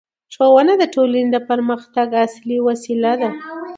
ښوونه د ټولنې د پرمختګ اصلي وسیله ده